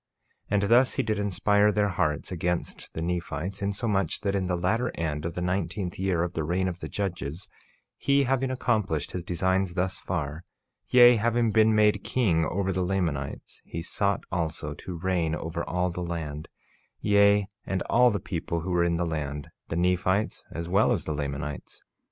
48:2 And thus he did inspire their hearts against the Nephites, insomuch that in the latter end of the nineteenth year of the reign of the judges, he having accomplished his designs thus far, yea, having been made king over the Lamanites, he sought also to reign over all the land, yea, and all the people who were in the land, the Nephites as well as the Lamanites.